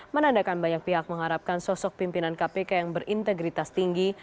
menandakan banyak pihak mengharapkan sosok pimpinan kpk yang berintegritas tinggi